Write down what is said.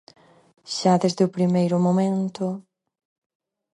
Xa desde o primeiro momento...